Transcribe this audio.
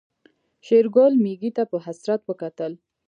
شېرګل ميږې ته په حسرت وکتل.